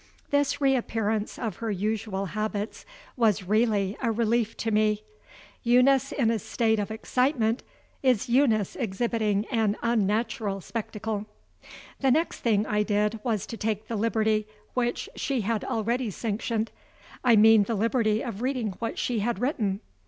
This reappearance of her usual habits was really a relief to me. Eunice in a state of excitement is Eunice exhibiting an unnatural spectacle. The next thing I did was to take the liberty which she had already sanctioned I mean the liberty of reading what she had written.